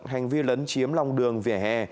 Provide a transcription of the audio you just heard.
hành vi lấn chiếm lòng đường vỉa hè